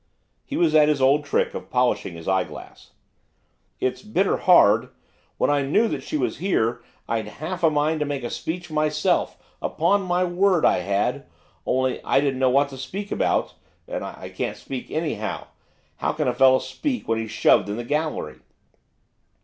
He was at his old trick of polishing his eyeglass. 'It's bitter hard. When I knew that she was there, I'd half a mind to make a speech myself, upon my word I had, only I didn't know what to speak about, and I can't speak anyhow, how can a fellow speak when he's shoved into the gallery?